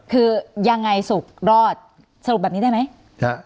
คือยังไงสุขรอดสรุปแบบนี้ได้ไหม